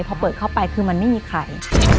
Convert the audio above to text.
พอเปิดเข้าไปคือมันไม่มีใคร